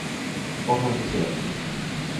Hojas de cilantro.